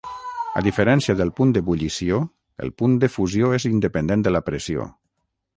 A diferència del punt d'ebullició, el punt de fusió és independent de la pressió.